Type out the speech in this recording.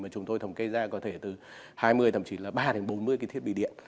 mà chúng tôi thống kê ra có thể từ hai mươi thậm chí là ba đến bốn mươi cái thiết bị điện